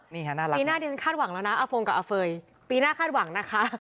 ปีหน้าคาดหวังแล้วนะอฟงกับอเฟย์ปีหน้าคาดหวังนะคะ